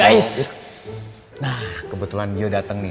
guys nah kebetulan dio dateng nih